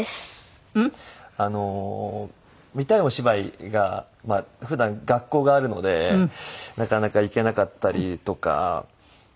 見たいお芝居が普段学校があるのでなかなか行けなかったりとか。